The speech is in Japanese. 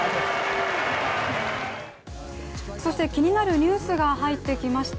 そして気になるニュースが入ってきました。